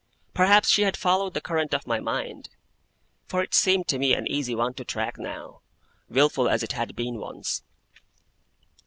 Perhaps she had followed the current of my mind; for it seemed to me an easy one to track now, wilful as it had been once.